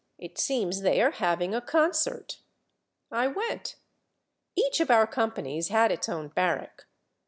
It seems they are having a concert !" I went. Each of our companies had its own barrack.